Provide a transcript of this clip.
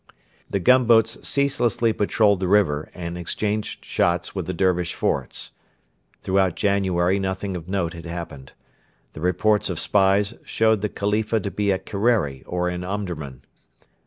The gunboats ceaselessly patrolled the river, and exchanged shots with the Dervish forts. Throughout January nothing of note had happened. The reports of spies showed the Khalifa to be at Kerreri or in Omdurman.